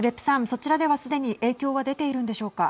そちらではすでに影響は出ているんでしょうか。